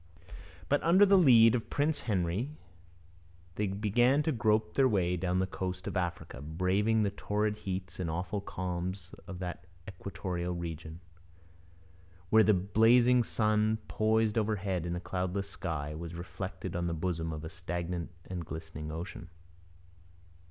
But under the lead of Prince Henry they began to grope their way down the coast of Africa, braving the torrid heats and awful calms of that equatorial region, where the blazing sun, poised overhead in a cloudless sky, was reflected on the bosom of a stagnant and glistening ocean.